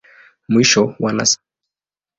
Mwisho wa nasaba.